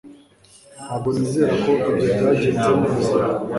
Ntabwo nizera ko ibyo byagenze neza.